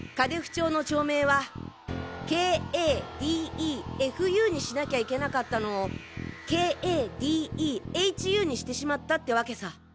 町の町名は「ＫＡＤＥＦＵ」にしなきゃいけなかったのを「ＫＡＤＥＨＵ」にしてしまったってワケさ！